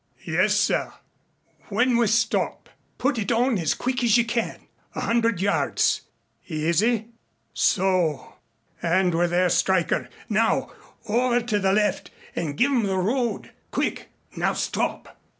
"Yes, sir." "When we stop put it on as quick as you can. A hundred yards. Easy so and we're there, Stryker. Now. Over to the left and give 'em the road. Quick! Now stop!"